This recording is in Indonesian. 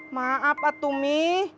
maaf atuh mi